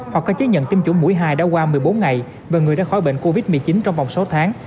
hoặc có chế nhận tiêm chủ mũi hai đã qua một mươi bốn ngày và người đã khỏi bệnh covid một mươi chín trong vòng sáu tháng